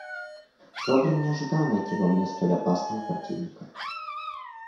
Швабрин не ожидал найти во мне столь опасного противника.